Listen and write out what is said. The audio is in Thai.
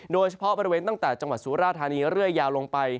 โดยเฉพาะบริเวณตั้งแต่จังหวัดสุราธานีเรื่อยยาวลงไป